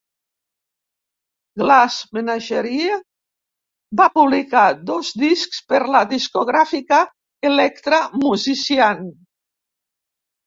Glass Menagerie va publicar dos discs per la discogràfica Elektra Musician.